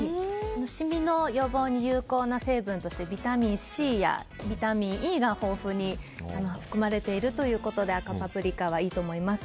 シミの予防に有効な成分としてビタミンＣやビタミンＥが豊富に含まれているということで赤パプリカはいいと思います。